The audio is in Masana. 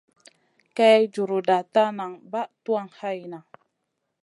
Kay juruda ta nan bah tuwan hayna.